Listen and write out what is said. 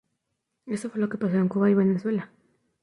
Esto fue lo que pasó en Cuba y Venezuela.